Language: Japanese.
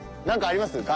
なんかあります？